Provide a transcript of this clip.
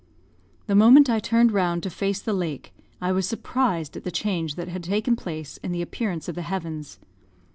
The moment I turned round to face the lake, I was surprised at the change that had taken place in the appearance of the heavens.